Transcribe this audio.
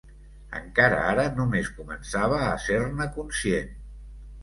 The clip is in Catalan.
Encara ara només començava a ser-ne conscient.